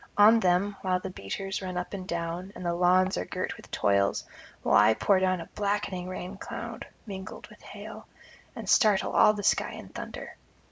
On them, while the beaters run up and down, and the lawns are girt with toils, will I pour down a blackening rain cloud mingled with hail, and startle all the sky in thunder.